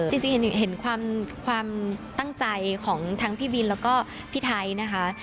จริงเห็นความตั้งใจของทั้งพี่บินแล้วก็พี่ไทยนะคะ